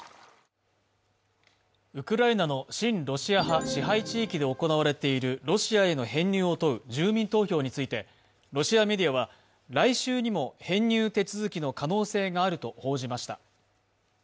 ウクライナの親ロシア派支配地域で行われているロシアへの編入を問う住民投票について、ロシアメディアは来週にも、編入手続きの可能性があると報じました。